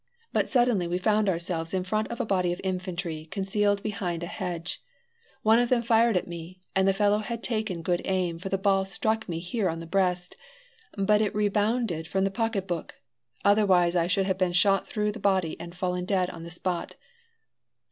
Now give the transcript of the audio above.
But suddenly we found ourselves in front of a body of infantry concealed behind a hedge. One of them fired at me, and the fellow had taken good aim, for the ball struck me here on the breast. But it rebounded from the pocket book; otherwise, I should have been shot through the body and fallen dead on the spot.